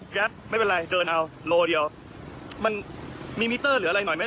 แก๊สไม่เป็นไรเดินเอาโลเดียวมันมีมิเตอร์หรืออะไรหน่อยไหม